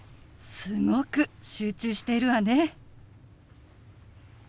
すごく集中しているわね。